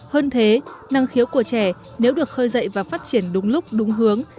hơn thế năng khiếu của trẻ nếu được khơi dậy và phát triển đúng lúc đúng hướng